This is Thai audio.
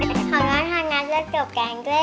เอ๊ะจะถึงแล้วน้ำหัวไว้บอกลายละว่า